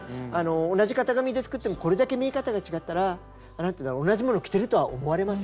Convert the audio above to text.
同じ型紙で作ってもこれだけ見え方が違ったら何ていうんだろう同じ物を着てるとは思われません。